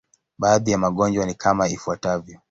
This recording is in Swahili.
Baadhi ya magonjwa ni kama ifuatavyo.